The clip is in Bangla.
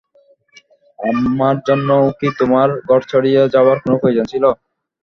আমার জন্যও কি তোমার ঘর ছাড়িয়া যাওয়ার কোনো প্রয়োজন ছিল।